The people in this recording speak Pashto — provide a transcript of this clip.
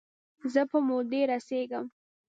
زه په مودې رسیږم